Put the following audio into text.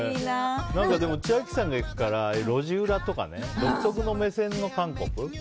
でも千秋さんが行くから路地裏とか独特の目線の韓国。